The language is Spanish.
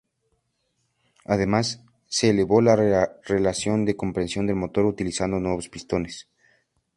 Además, se elevó la relación de compresión del motor utilizando nuevos pistones.